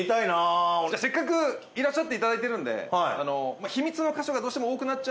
せっかくいらっしゃって頂いてるんで。